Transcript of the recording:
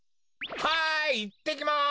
はいいってきます。